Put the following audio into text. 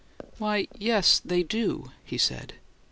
"Why, yes, they do," he said.